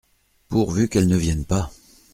Pourvu qu’elle ne vienne pas !